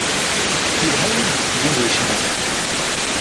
Yelha win yessnen ad yecnu.